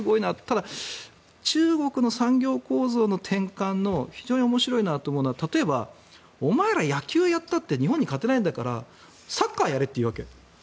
ただ、中国の産業構造の転換の非常に面白いなと思うのはお前ら、野球をやったって日本に勝てないんだからサッカーやれって言うわけ。